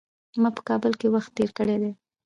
ما په کابل کي وخت تېر کړی دی .